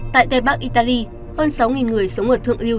tại tây bắc italy hơn sáu người sống ở thượng liêu